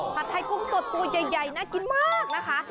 ไทยกุ้งสดตัวใหญ่น่ากินมากนะคะ